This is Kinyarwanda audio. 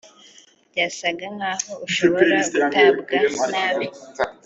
Byasaga nkaho ashobora gutabwa nabi